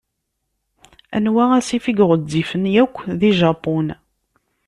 Anwa asif i yeɣezzifen yakk di Japun?